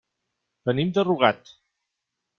Venim de Rugat.